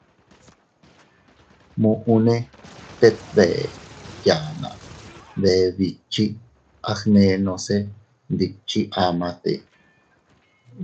Muʼune tet bee yanna, bee bikchi, agnenose ndikchi amate.